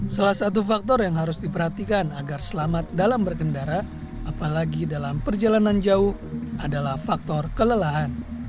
salah satu faktor yang harus diperhatikan agar selamat dalam berkendara apalagi dalam perjalanan jauh adalah faktor kelelahan